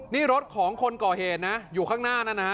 นี่รถของคนก่อเหตุนะอยู่ข้างหน้านั่นนะฮะ